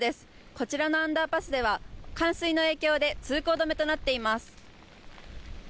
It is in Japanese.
こちらのアンダーパスでは冠水の影響で通行止めとなっています。